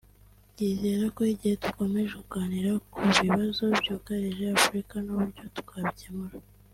yizera ko igihe dukomeje kuganira ku bibazo byugarije Afurika n’uburyo twabikemura